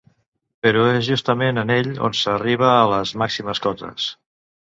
Però és justament en ell on s'arriba a les màximes cotes.